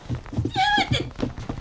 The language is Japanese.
やめて！